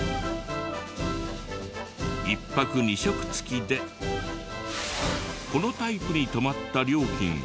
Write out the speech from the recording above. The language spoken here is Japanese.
１泊２食付きでこのタイプに泊まった料金が。